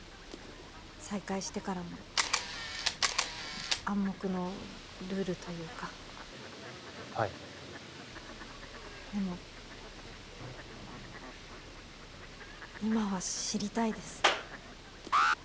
再会してからも暗黙のルールというかはいでも今は知りたいです